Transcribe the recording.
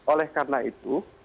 oleh karena itu